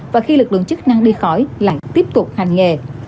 và khi lực lượng chức năng đi khỏi lại tiếp tục hành nghề